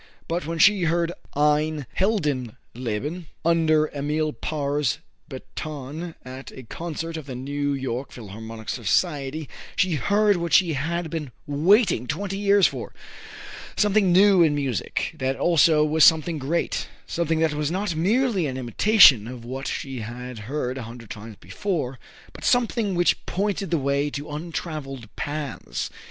But when she heard "Ein Heldenleben" under Emil Paur's baton at a concert of the New York Philharmonic Society, she heard what she had been waiting twenty years for something new in music that also was something great; something that was not merely an imitation of what she had heard a hundred times before, but something which pointed the way to untraveled paths.